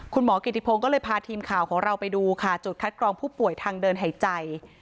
คุณหมอกิติพงศ์ก็เลยพาทีมข่าวของเราไปดูค่ะจุดคัดกรองผู้ป่วยทางเดินหายใจ